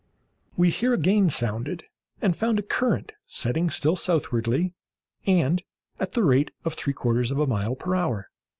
We here again sounded, and found a current setting still southwardly, and at the rate of three quarters of a mile per hour.